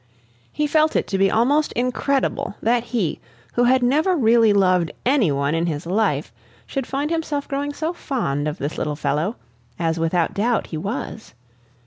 He felt it to be almost incredible that he who had never really loved any one in his life, should find himself growing so fond of this little fellow, as without doubt he was.